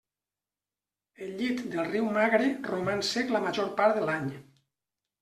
El llit del riu Magre roman sec la major part de l'any.